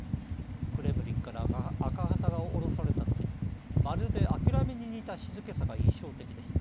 クレムリンから赤旗が降ろされたときにまるで諦めに似た静けさが印象的でした。